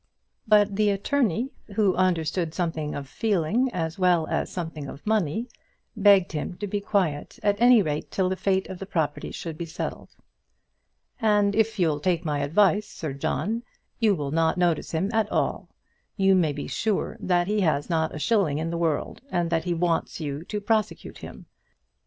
But the attorney, who understood something of feeling as well as something of money, begged him to be quiet at any rate till the fate of the property should be settled. "And if you'll take my advice, Sir John, you will not notice him at all. You may be sure that he has not a shilling in the world, and that he wants you to prosecute him.